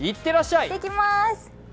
いってきまーす。